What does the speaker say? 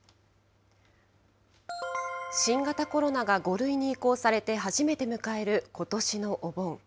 新型コロナが５類に移行されて初めて迎える、ことしのお盆。